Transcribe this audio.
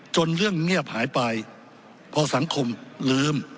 เรื่องเงียบหายไปพอสังคมลืม